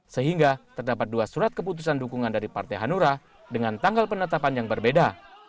sehingga terdapat dua surat keputusan dukungan dari partai hanura dengan tanggal penetapan yang berbeda